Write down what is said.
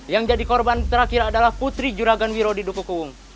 yang jadi korban terakhir adalah putri juragan wiro di duku kung